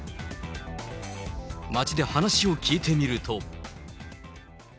街で話を聞いてみると。